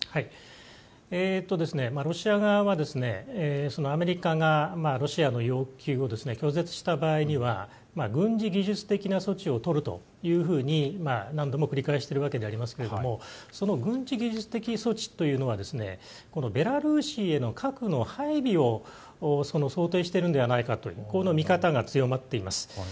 ロシア側はアメリカがロシアの要求を拒絶した場合には軍事技術的な措置をとると何度も繰り返しているわけでありますがその軍事技術的措置というのはベラルーシへの核の配備を想定しているのではないかという見方が強まっています。